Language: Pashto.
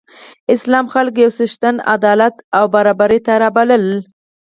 اسلام خلک یو څښتن، عدالت او برابرۍ ته رابلل.